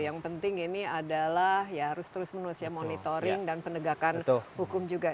yang penting ini adalah ya harus terus menerus ya monitoring dan penegakan hukum juga